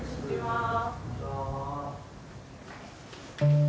こんにちは。